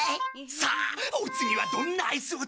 さあお次はどんなアイスを作ろうかな！